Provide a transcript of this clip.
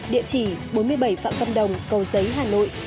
địa chỉ bốn mươi bảy phạm văn đồng cầu giấy hà nội